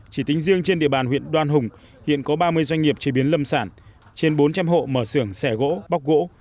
chỉ tính riêng trên địa bàn huyện đoan hùng hiện có ba mươi doanh nghiệp chế biến lâm sản trên bốn trăm linh hộ mở xưởng xẻ gỗ bóc gỗ